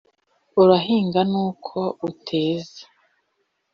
- urahinga nuko uteza.